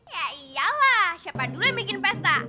ya iyalah siapa dulu yang bikin pesta